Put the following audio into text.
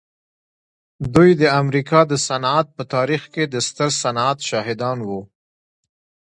دوی د امریکا د صنعت په تاریخ کې د ستر صنعت شاهدان وو